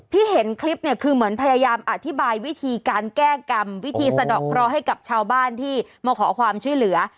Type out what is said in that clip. เห็นคลิปเนี่ยคือเหมือนพยายามอธิบายวิธีการแก้กรรมวิธีสะดอกเคราะห์ให้กับชาวบ้านที่มาขอความช่วยเหลือ